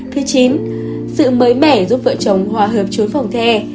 thứ chín sự mới mẻ giúp vợ chồng hòa hợp trốn phòng the